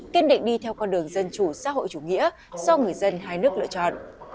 kiên định đi theo con đường dân chủ xã hội chủ nghĩa do người dân hai nước lựa chọn